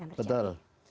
yang inginkan terjadi